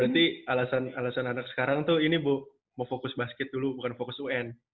berarti alasan alasan anak sekarang tuh ini mau fokus basket dulu bukan fokus un